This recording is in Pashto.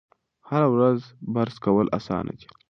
هره ورځ برس کول اسانه دي.